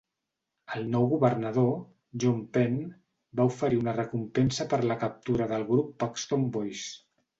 El nou governador, John Penn, va oferir una recompensa per la captura del grup Paxton Boys.